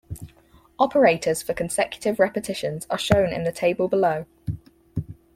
Operators for consecutive repetitions are shown in the table below.